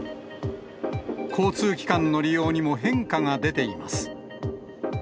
交通機関の利用にも変化が出ています。